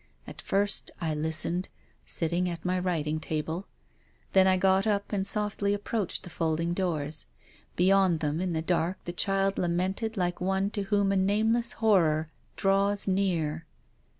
At first I listened, sitting at my writ ing table. Then I got up and softly approached the folding doors. Beyond them, in the dark, the child lamented like one to whom a nameless horror draws near.